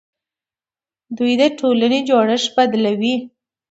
دوی د ټولنې جوړښت بدلوي.